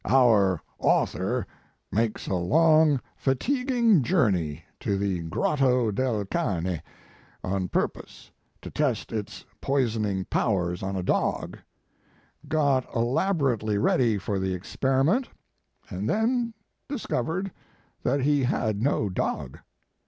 Our author makes a long, fatiguing journey to the Grotto del Cane, on purpose to test its poisoning powers on a dog got elabor ately ready for the experiment, and then discovered that he had no dog.